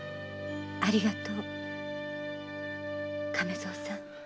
ありがとう亀蔵さん。